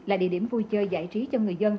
là địa điểm vui chơi giải trí cho người dân